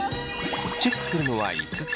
チェックするのは５つ。